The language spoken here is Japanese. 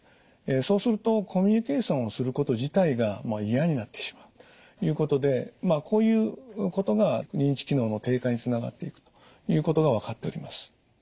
そうするとコミュニケーションをすること自体が嫌になってしまうということでこういうことが認知機能の低下につながっていくということが分かっております。